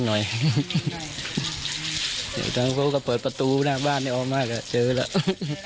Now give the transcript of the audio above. จะมองเว้งหน่อยเดี๋ยวทางเขาก็เปิดประตูหน้าบ้านได้ออกมาแล้วเจอแล้ว